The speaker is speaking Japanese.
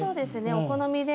お好みで。